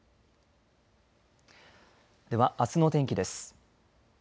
では、あすの天気です。